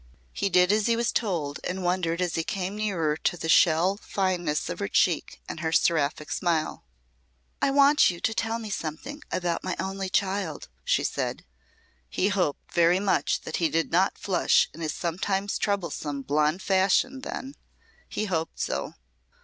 He did as he was told and wondered as he came nearer to the shell fineness of her cheek and her seraphic smile. "I want you to tell me something about my only child," she said. He hoped very much that he did not flush in his sometimes troublesome blond fashion then. He hoped so.